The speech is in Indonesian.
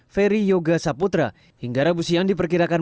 ferry yoga saputra hingga rabu siang diperkirakan